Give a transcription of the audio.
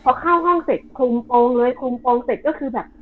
พอเข้าห้องเสร็จคลุมโปรงเลยคลุมโปรงเสร็จก็คือแบบ